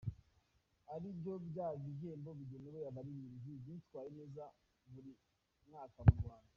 ari byo bya ibihembo bigenerwa abaririmbyi bitwaye neza buri mwaka mu Rwanda.